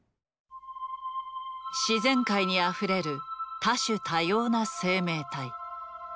自然界にあふれる多種多様な生命体。